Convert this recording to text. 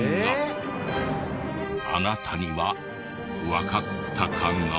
あなたにはわかったかな？